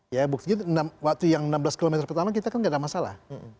ya buktinya waktu yang enam belas km pertama kita kan nggak ada masalah